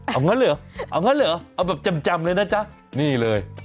เอางั้นเหรอเอางั้นเหรอเอาแบบแจ่มเลยนะจ๊ะนี่เลย